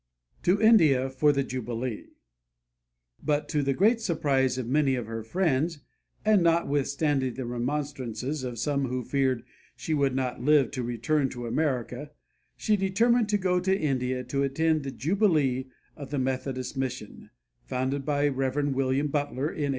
TO INDIA FOR THE JUBILEE But to the great surprise of many of her friends, and notwithstanding the remonstrances of some who feared she would not live to return to America, she determined to go to India to attend the Jubilee of the Methodist Mission, founded by the Rev. William Butler in 1856.